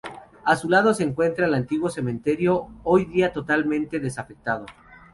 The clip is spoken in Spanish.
A su lado se encuentra el antiguo cementerio, hoy en día totalmente desafectado.